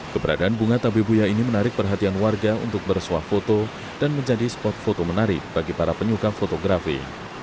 keberadaan bunga tabebuya ini menarik perhatian warga untuk bersuah foto dan menjadi spot foto menarik bagi para penyuka fotografi